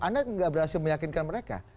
anda tidak berhasil meyakinkan mereka